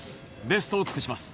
ベストを尽くします。